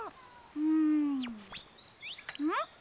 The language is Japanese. うんん？